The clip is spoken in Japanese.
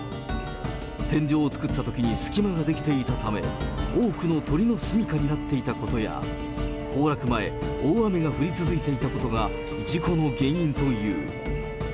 天井を作ったときに隙間が出来ていたため、多くの鳥の住みかになっていたことや、崩落前、大雨が降り続いていたことが事故の原因という。